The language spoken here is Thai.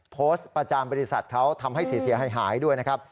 โพสต์ประจำบริษัทเขาทำให้เสียหายด้วยนะครับ